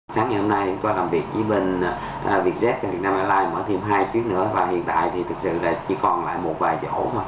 sáng ngày hôm nay qua làm việc với vietjet việt nam airlines mở thêm hai chuyến nữa và hiện tại thì thực sự chỉ còn lại một vài chỗ mà